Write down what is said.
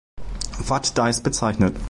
Vat Dyes" bezeichnet.